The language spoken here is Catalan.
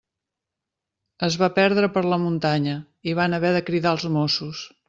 Es va perdre per la muntanya i van haver de cridar els Mossos.